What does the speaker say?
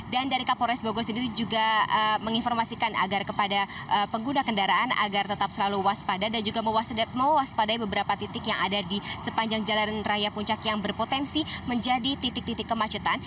dari kapolres bogor sendiri juga menginformasikan agar kepada pengguna kendaraan agar tetap selalu waspada dan juga mewaspadai beberapa titik yang ada di sepanjang jalan raya puncak yang berpotensi menjadi titik titik kemacetan